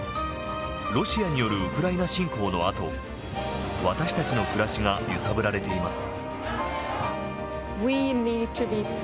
ロシアによるウクライナ侵攻のあと私たちの暮らしが揺さぶられています。